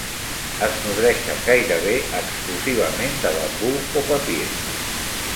Es nodreixen gairebé exclusivament de bambú o papir.